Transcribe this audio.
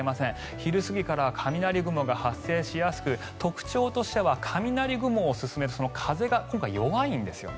昼過ぎからは雷雲が発生しやすく特徴としては雷雲を進める風が今回、弱いんですね。